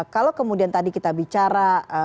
kalau kemudian tadi kita bicara